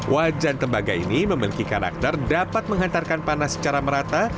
wajan tembaga ini memiliki karakter dapat menghantarkan panas secara merata